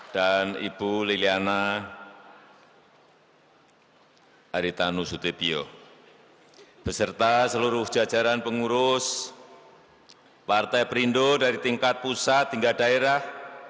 dan ibu liliana haritanu sudebio beserta seluruh jajaran pengurus partai perindo dari tingkat pusat hingga daerah